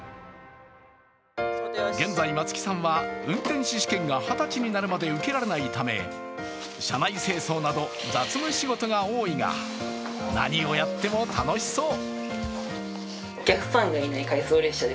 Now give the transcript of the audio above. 現在、松木さんは運転士試験が２０歳になるまで受けられないため車内清掃など、雑務仕事が多いが、何をやっても楽しそう。